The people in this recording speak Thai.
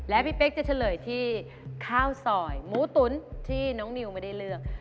และพี่เป๊กจะเฉลยที่ข้าวซอยหมูตุ๋นที่น้องนิวไม่ได้เลือก